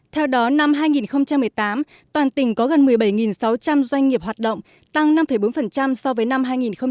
theo đó năm hai nghìn một mươi tám toàn tỉnh có gần một mươi bảy sáu trăm linh doanh nghiệp hoạt động tăng năm bốn so với năm hai nghìn một mươi bảy